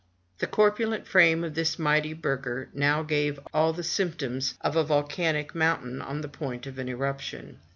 The corpulent frame of this mighty burgher now gave all the symptoms of a volcanic mountain on the point of an eruption.